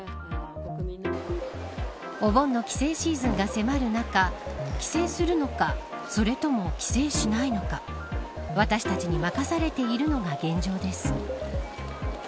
お盆の帰省シーズンが迫る中帰省するのかそれとも帰省しないのか私たちに任されているのが現状です。